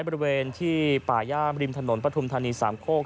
บริเวณที่ป่าย่ามริมถนนปฐุมธานีสามโคก